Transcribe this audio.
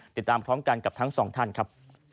ติดตามพร้อมกันกับทั้งสองท่านครับ